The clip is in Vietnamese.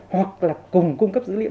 hoặc là cùng cung cấp dữ liệu